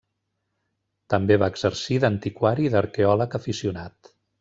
També va exercir d'antiquari i d'arqueòleg aficionat.